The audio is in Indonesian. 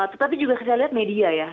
tetapi juga saya lihat media ya